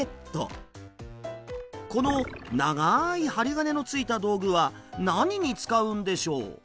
この長い針金のついた道具は何に使うんでしょう？